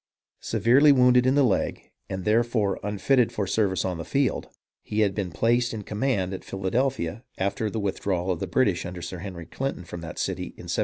Severely wounded in the leg, and therefore unfitted for service on the field, he had been placed in command at Philadelphia after the withdrawal of the British under Sir Henry Clinton from that city in 1778.